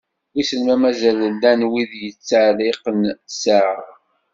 Wissen ma mazal llan wid yettɛelliqen ssaɛa?